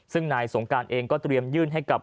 ซึ่งนายสงการเองก็เตรียมยื่นให้กับ